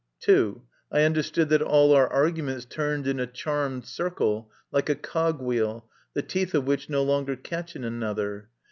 (2) I understood that all our arguments turned in a charmed circle, like a cogwheel, the teeth of which no longer catch in another.